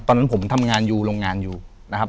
ตอนนั้นผมทำงานอยู่โรงงานอยู่นะครับ